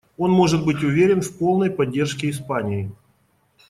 Он может быть уверен в полной поддержке Испании.